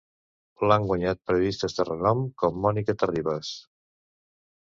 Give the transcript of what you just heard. L'han guanyat periodistes de renom com Mònica Terribas.